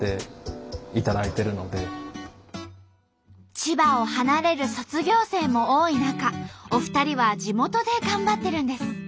千葉を離れる卒業生も多い中お二人は地元で頑張ってるんです。